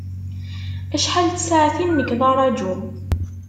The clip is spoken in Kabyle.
Acḥal n tsaɛtin nekk d araǧu.